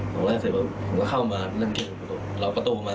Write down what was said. ก็แทงเสร็จรู้กันยืนดูอ่ะบอกว่าเตรียมแรกเรือนก็ไป